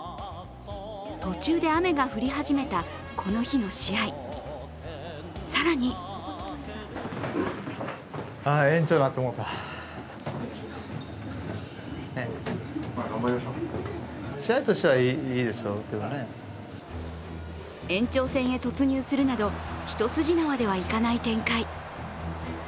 途中で雨が降り始めたこの日の試合、更に延長戦へ突入するなど一筋縄ではいかない展開。